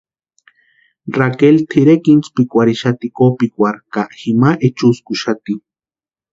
Raqueli tʼirekwa intsïpikwarhixati kopikwarhu ka jima echuskuxati.